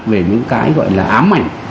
về những cái gọi là ám ảnh